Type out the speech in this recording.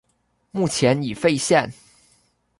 目前已废线。